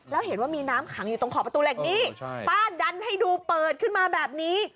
แล้วเห็นว่ามีน้ำขังอยู่ตรงขอบประตูเหล็กนี้ป้าดันให้ดูเปิดขึ้นมาแบบนี้